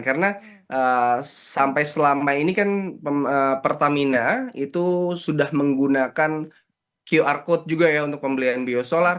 karena sampai selama ini kan pertamina itu sudah menggunakan qr code juga ya untuk pembelian biosolar